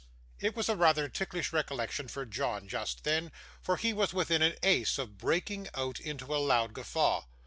It was rather a ticklish recollection for John just then, for he was within an ace of breaking out into a loud guffaw.